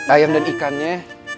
ayam dan ikannya